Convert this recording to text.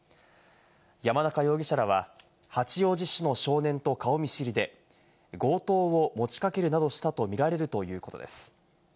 山中容疑者らは八王子市の少年と顔見知りで、強盗を持ちかけるなどしたとみられるということです。